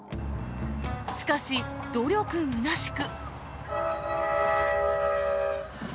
しかし、努力むなしく。